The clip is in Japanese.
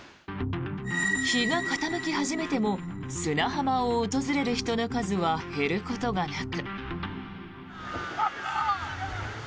日が傾き始めても砂浜を訪れる人の数は減ることがなく。